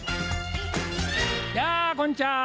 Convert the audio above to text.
やあこんにちは。